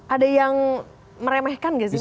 ada yang meremehkan gak sih mas